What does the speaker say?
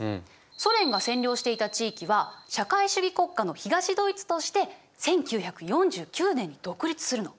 ソ連が占領していた地域は社会主義国家の東ドイツとして１９４９年に独立するの。